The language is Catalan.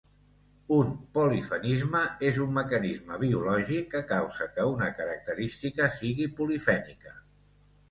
Un polifenisme és un mecanisme biològic que causa que una característica sigui polifènica.